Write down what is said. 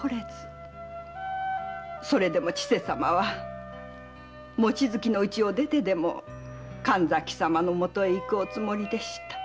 それでも千世様は望月家を出ても神崎様のもとへ行くつもりでした。